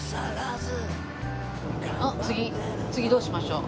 あっ次次どうしましょう。